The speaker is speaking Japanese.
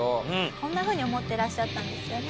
こんなふうに思ってらっしゃったんですよね。